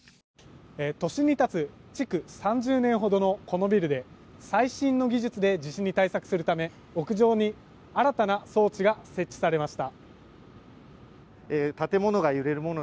都心に立つ築３０年ほどのこのビルで最新の技術で地震に対策するため屋上に新たな装置が設置されました。